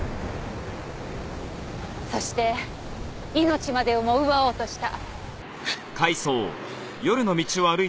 そして命までをも奪おうとした。